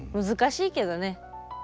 難しいけどね。